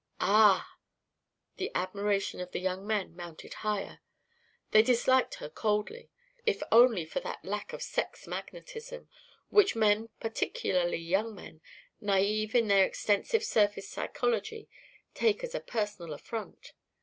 "Ah!" The admiration of the young men mounted higher. They disliked her coldly, if only for that lack of sex magnetism, which men, particularly young men, naïve in their extensive surface psychology, take as a personal affront.